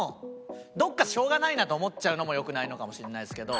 どこかしょうがないなと思っちゃうのも良くないのかもしれないですけど。